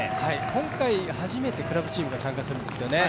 今回初めてクラブチームが参加するんですよね。